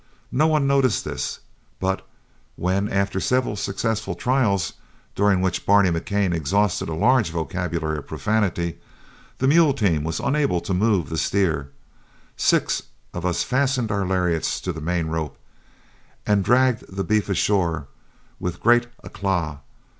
No one noticed this; but when, after several successive trials, during which Barney McCann exhausted a large vocabulary of profanity, the mule team was unable to move the steer, six of us fastened our lariats to the main rope, and dragged the beef ashore with great éclat.